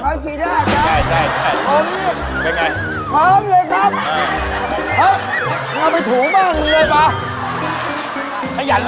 เป็นคนที่กลับขึ้นพวกนี้ไหม